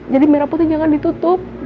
jadi merah putih jangan ditutup